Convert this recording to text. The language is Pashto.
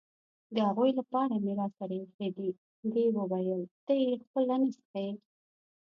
د هغوی لپاره مې راسره اېښي دي، دې وویل: ته یې خپله نه څښې؟